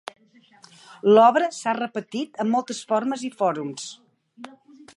L'obra s'ha repetit en moltes formes i fòrums.